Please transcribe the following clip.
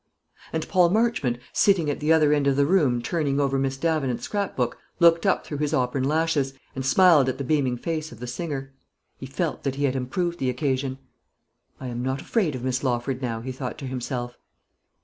And Paul Marchmont, sitting at the other end of the room turning over Miss Davenant's scrap book, looked up through his auburn lashes, and smiled at the beaming face of the singer. He felt that he had improved the occasion. "I am not afraid of Miss Lawford now," he thought to himself.